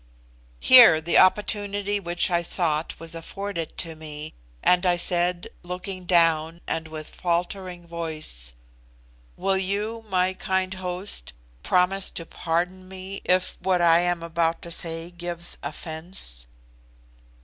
Here the opportunity which I sought was afforded to me, and I said, looking down, and with faltering voice, "Will you, my kind host, promise to pardon me, if what I am about to say gives offence?"